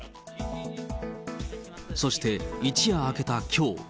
そして一夜明けたきょう。